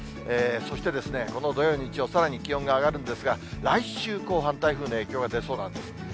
そして、この土曜日曜、さらに気温が上がるんですが、来週後半、台風の影響が出そうなんです。